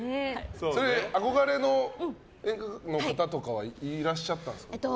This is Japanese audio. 憧れの方とかはいらっしゃったんですか？